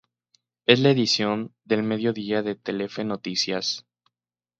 Es la edición del mediodía de Telefe Noticias.